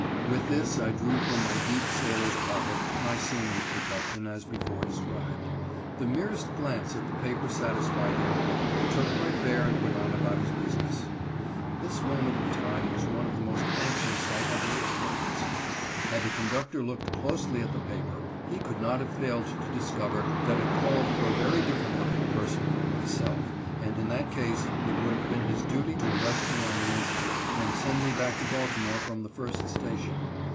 With this I drew from my deep sailor's pocket my seaman's protection, as before described. The merest glance at the paper satisfied him, and he took my fare and went on about his business. This moment of time was one of the most anxious I ever experienced. Had the conductor looked closely at the paper, he could not have failed to discover that it called for a very different looking person from myself, and in that case it would have been his duty to arrest me on the instant, and send me back to Baltimore from the first station.